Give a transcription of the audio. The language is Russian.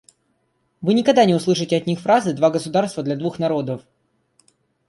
Вы никогда не услышите от них фразы «два государства для двух народов».